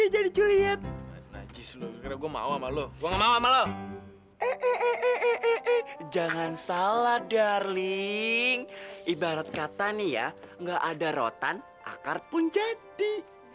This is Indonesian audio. heli jangan salah darling ibarat kata nih ya enggak ada rotan akar pun jadi